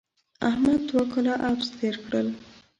احمد دوه کاله عبث تېر کړل.